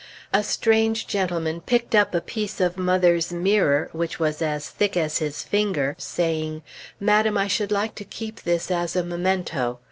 A strange gentleman picked up a piece of mother's mirror, which was as thick as his finger, saying, "Madame, I should like to keep this as a memento.